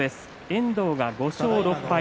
遠藤、５勝６敗。